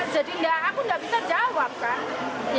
jadi aku nggak bisa jawab kan